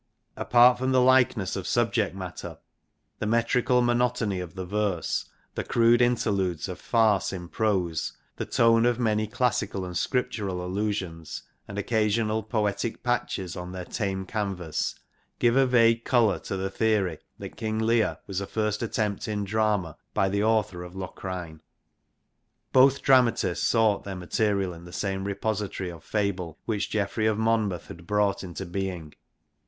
Apart from likeness of subject matter, the metrical monotony of the verse, the crude interludes of farce in prose, the tone of many classical and scriptural allusions, and occasional poetic patches on the tame canvas, give a vague colour to the theory that King Le'ir was a first attempt in drama by the author of Locrine. Both dramatists sought their material in the same repository of fable, which Geoffrey of Monmouth had brought into being.